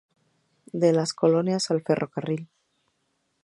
De las colonias al ferrocarril.